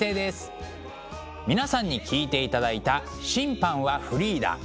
皆さんに聴いていただいた「審判はフリーダ」。